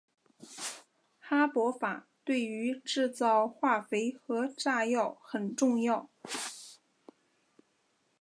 哈柏法对于制造化肥和炸药很重要。